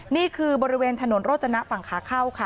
นี่คือบริเวณถนนโรจนะฝั่งขาเข้าค่ะ